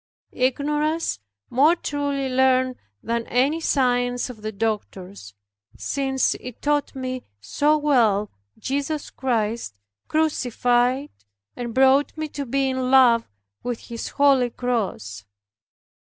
Ignorance more truly learned than any science of the doctors, since it taught me so well Jesus Christ crucified and brought me to be in love with His holy cross.